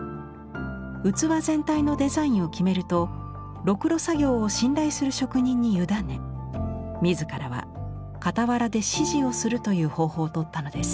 器全体のデザインを決めるとろくろ作業を信頼する職人に委ね自らは傍らで指示をするという方法をとったのです。